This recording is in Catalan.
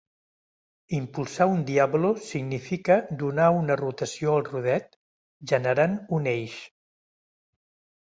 Impulsar un diàbolo significa donar una rotació al rodet, generant un eix.